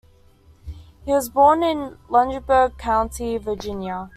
He was born in Lunenburg County, Virginia.